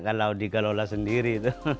kalau dikelola sendiri